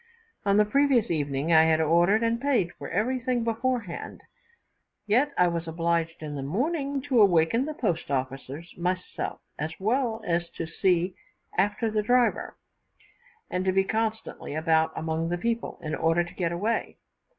On the previous evening I had ordered and paid for everything before hand; yet I was obliged in the morning to awaken the post officers myself, as well as to see after the driver, and to be constantly about among the people, in order to get away.